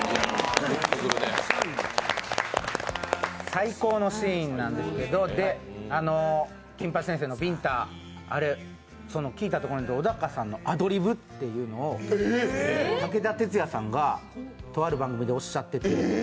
最高のシーンなんですけど、金八先生のビンタ、あれ聞いたところによると小高さんのアドリブというのを武田鉄矢さんがとある番組でおっしゃっていて。